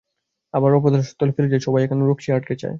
আবার অপরাধস্থলে ফিরে যাই, সবাই এখন রক্সি হার্টকে চায়।